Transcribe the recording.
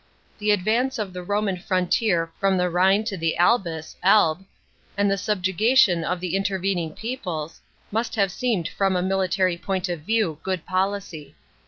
The advance of the Roman frontier from the Rhine to the Albis (Elbe), and the subjugation of the intervening peoples, must have seemed from a military point of view good policy.